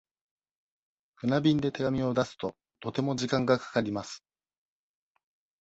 船便で手紙を出すと、とても時間がかかります。